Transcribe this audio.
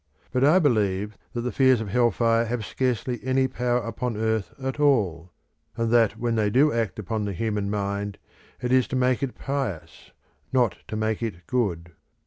But I believe that the fears of hell fire have scarcely any power upon earth at all, and that when they do act upon the human mind it is to make it pious, not to make it good.